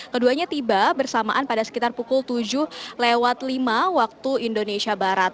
keduanya tiba bersamaan pada sekitar pukul tujuh lewat lima waktu indonesia barat